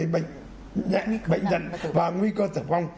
bệnh nhân và nguy cơ tử vong